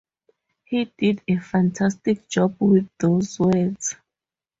He did a fantastic job with those words.